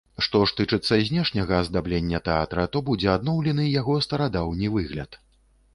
Што ж тычыцца знешняга аздаблення тэатра, то будзе адноўлены яго старадаўні выгляд.